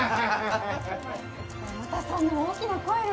またそんな大きな声で。